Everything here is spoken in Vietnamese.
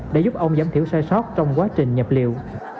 để giúp ông giảm thiểu sai sót trong quá trình nhập liệu